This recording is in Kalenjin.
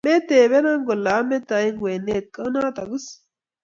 Metepeno kole ameto eng kwenet, kunatok is?